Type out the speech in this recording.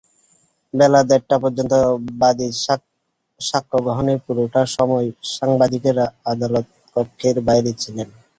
বেলা দেড়টা পর্যন্ত বাদীর সাক্ষ্য গ্রহণের পুরোটা সময় সাংবাদিকেরা আদালতকক্ষের বাইরে ছিলেন।